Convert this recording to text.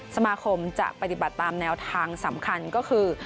สมาคมจะปฏิบัติตามแนวทางสำคัญก็คือ